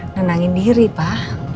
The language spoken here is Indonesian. nenangin diri pak